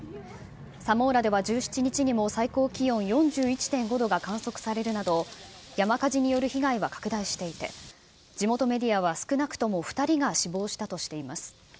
サモーラでは１７日にも最高気温４１．５度が観測されるなど、山火事による被害が拡大していて、地元メディアは少なくとも２人が死亡したとしています。